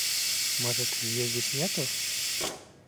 Может, её здесь нету?